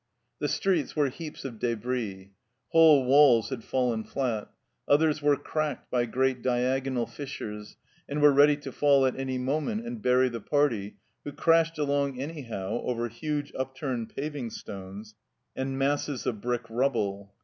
The streets were heaps of debris. Whole walls had fallen flat ; others were cracked by great diagonal fissures, and were ready to fall at any moment and bury the party, who crashed along anyhow over huge upturned paving stones and masses of brick rubble.